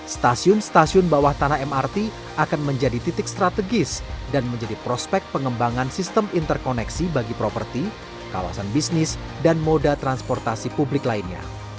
stasiun stasiun bawah tanah mrt akan menjadi titik strategis dan menjadi prospek pengembangan sistem interkoneksi bagi properti kawasan bisnis dan moda transportasi publik lainnya